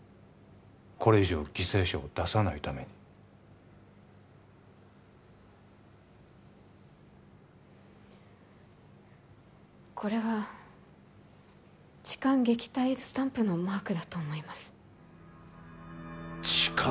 これ以上犠牲者を出さないためにこれは痴漢撃退スタンプのマークだと思います痴漢？